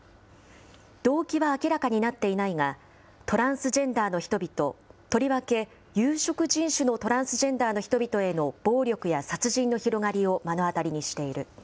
動機は明らかになっていないが、トランスジェンダーの人々、とりわけ有色人種のトランスジェンダーの人々への暴力や殺人の広がりを目の当たりにしている。